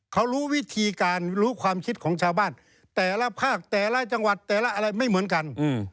เขารู้วิธีการรู้ความคิดของชาวบ้านแต่ละภาคแต่ละจังหวัดแต่ละอะไรไม่เหมือนกัน